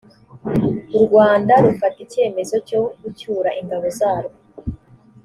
u rwanda rufata ikemezo cyo gucyura ingabo zarwo